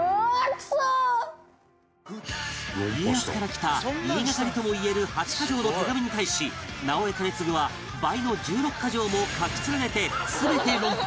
家康から来た言いがかりとも言える８箇条の手紙に対し直江兼続は倍の１６箇条も書き連ねて全て論破